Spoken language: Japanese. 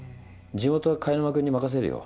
地元は貝沼君に任せるよ。